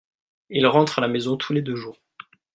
Il rentre à la maison tous les deux jours.